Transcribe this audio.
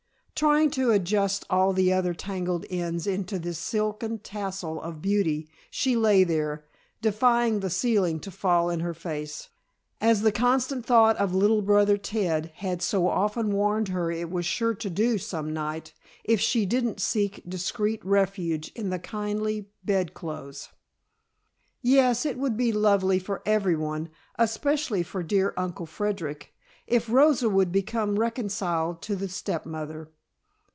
Trying to adjust all the other tangled ends into this silken tassel of beauty, she lay there, defying the ceiling to fall in her face, as the constant thought of little brother Ted had so often warned her it was sure to do, some night, if she didn't seek discreet refuge in the kindly bed clothes. Yes, it would be lovely for everyone, especially for dear Uncle Frederic, if Rosa would become reconciled to the stepmother.